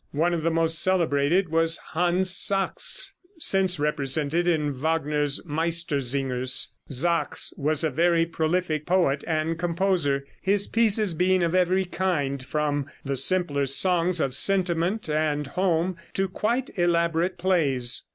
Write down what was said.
One of the most celebrated was Hans Sachs, since represented in Wagner's "Meistersingers." Sachs was a very prolific poet and composer, his pieces being of every kind, from the simpler songs of sentiment and home to quite elaborate plays.